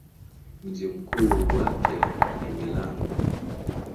Mji mkuu wake ni Milano.